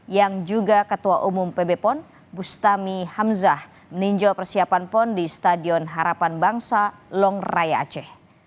yang juga ketua umum pb pon bustami hamzah meninjau persiapan pon di stadion harapan bangsa long raya aceh